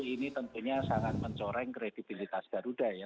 ini tentunya sangat mencoreng kredibilitas garuda ya